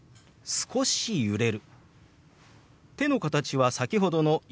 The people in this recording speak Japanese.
「少し揺れる」。